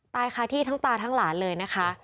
ค่ะที่ทั้งตาทั้งหลานเลยนะคะ